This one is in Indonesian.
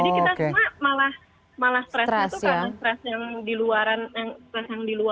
jadi kita semua malah stress gitu karena stress yang di luaran itu